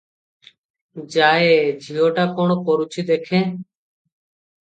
ଯାଏଁ ଝିଅଟା କ’ଣ କରୁଛି ଦେଖେଁ ।